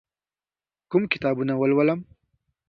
کوم کتابونه ولولم؟